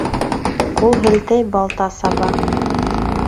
Ҡул һелтәй, балта саба.